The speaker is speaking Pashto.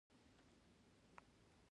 د هغه شعر د مینې او درد ژور احساسات بیانوي